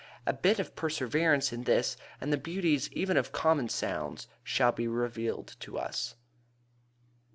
A bit of perseverance in this and the beauties even of common sounds shall be revealed to us.